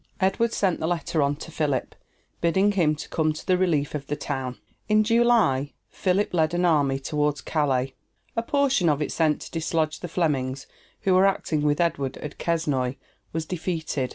Edward sent the letter on to Philip, bidding him come to the relief of the town. In July Philip led an army toward Calais. A portion of it sent to dislodge the Flemings, who were acting with Edward at Quesnoy was defeated.